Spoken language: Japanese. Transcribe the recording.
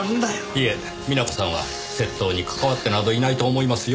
いえ美奈子さんは窃盗に関わってなどいないと思いますよ。